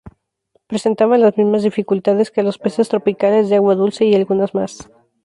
Presentaban las mismas dificultades que los peces tropicales de agua dulce, y algunas más.